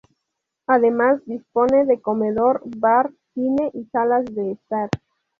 Además, dispone de comedor, bar, cine y salas de estar.